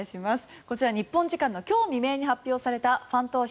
こちら、日本時間の今日未明に発表されたファン投票